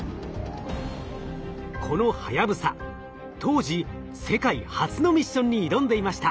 このはやぶさ当時世界初のミッションに挑んでいました。